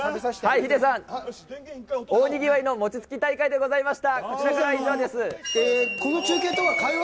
ヒデさん、大にぎわいの餅つき大会でございました。